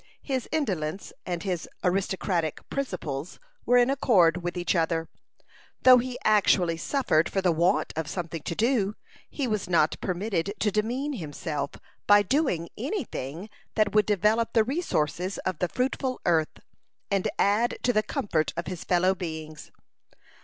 His indolence and his aristocratic principles were in accord with each other. Though he actually suffered for the want of something to do, he was not permitted to demean himself by doing any thing that would develop the resources of the fruitful earth, and add to the comfort of his fellow beings.